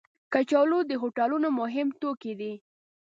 کچالو د هوټلونو مهم توکي دي